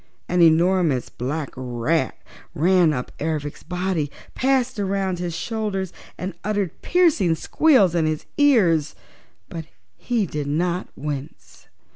An enormous black rat ran up Ervic's body, passed around his shoulders and uttered piercing squeals in his ears, but he did not wince.